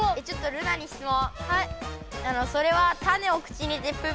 ルナに質問！